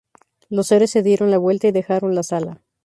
Los seres, se dieron la vuelta y dejaron la sala.